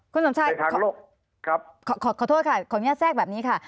คุณสมชัยขอโทษค่ะขออนุญาตแทรกแบบนี้ค่ะ